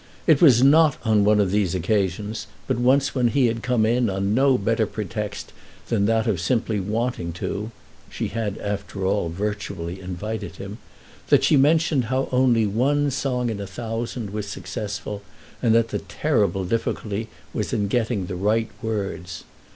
It was not on one of these occasions, but once when he had come in on no better pretext than that of simply wanting to (she had after all virtually invited him), that she mentioned how only one song in a thousand was successful and that the terrible difficulty was in getting the right words.